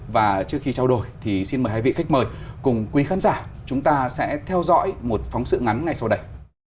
và trước khi trao đổi thì xin mời hai vị khách mời cùng quý khán giả chúng ta sẽ theo dõi một phóng sự ngắn ngay sau đây